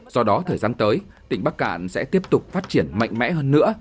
do đó thời gian tới tỉnh bắc cạn sẽ tiếp tục phát triển mạnh mẽ hơn nữa